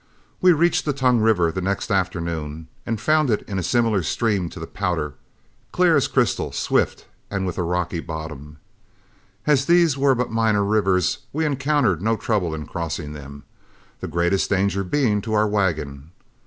We reached the Tongue River the next afternoon, and found it a similar stream to the Powder, clear as crystal, swift, and with a rocky bottom. As these were but minor rivers, we encountered no trouble in crossing them, the greatest danger being to our wagon.